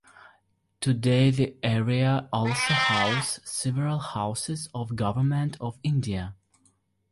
Today the area also house several houses of Government of India.